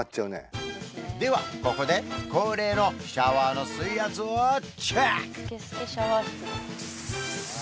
ではここで恒例のシャワーの水圧をチェック！